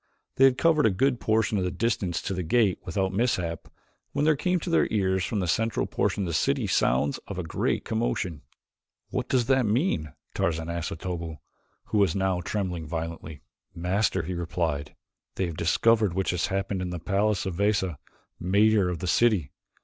They had covered a good portion of the distance to the gate without mishap when there came to their ears from the central portion of the city sounds of a great commotion. "What does that mean?" Tarzan asked of Otobu, who was now trembling violently. "Master," he replied, "they have discovered that which has happened in the palace of Veza, mayor of the city.